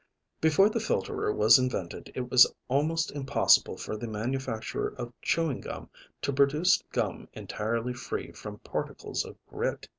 Before the filterer was invented it was almost impossible for the manufacturer of chewing gum to produce gum entirely free from particles of grit.